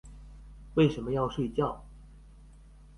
為什麼要睡覺？